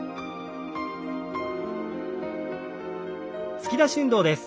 突き出し運動です。